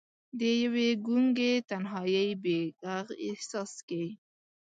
د یوې ګونګې تنهايۍ بې ږغ احساس کې